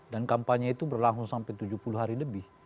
dan kampanye itu berlangsung sampai tujuh puluh hari lebih